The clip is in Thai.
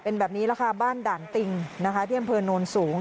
เป็นแบบนี้แหละค่ะบ้านด่านติงนะคะที่อำเภอโนนสูง